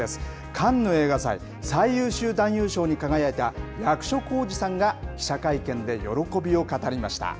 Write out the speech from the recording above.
カンヌ映画祭、最優秀男優賞に輝いた役所広司さんが、記者会見で喜びを語りまし